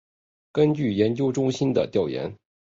根据研究中心的调研